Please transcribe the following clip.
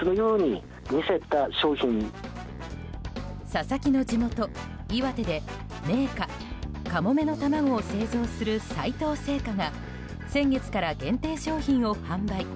佐々木の地元・岩手で銘菓かもめの玉子を製造する、さいとう製菓が先月から限定商品を販売。